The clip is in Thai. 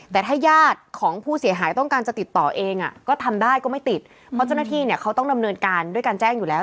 แต่ถ้าญาติของผู้เสียหายต้องการจะติดต่อเองอ่ะก็ทำได้ก็ไม่ติดเพราะเจ้าหน้าที่เนี่ยเขาต้องดำเนินการด้วยการแจ้งอยู่แล้ว